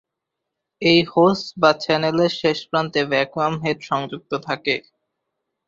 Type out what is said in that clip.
এই হোস বা চ্যানেলের শেষ প্রান্তে ভ্যাকুয়াম হেড সংযুক্ত থাকে।